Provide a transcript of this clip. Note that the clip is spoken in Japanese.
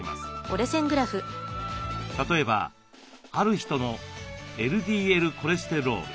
例えばある人のＬＤＬコレステロール。